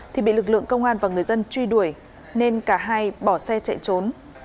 thì bị lực lượng công an và người dân truy đuổi nên cả hai bỏ xe chạy trốn